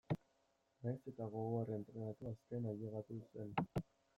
Nahiz eta gogor entrenatu azkena ailegatu zen.